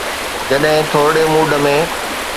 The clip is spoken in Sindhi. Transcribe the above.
جڏهن ٿورڙي موڊ ۾.